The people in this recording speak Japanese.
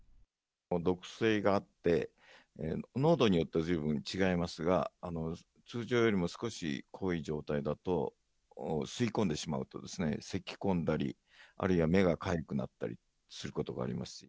毒性があって、濃度によってずいぶん違いますが、通常よりも少し濃い状態だと、吸い込んでしまうとですね、せき込んだり、あるいは目がかゆくなったりすることがあります。